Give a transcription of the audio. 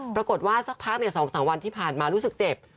สักพัก๒๓วันที่ผ่านมารู้สึกเจ็บ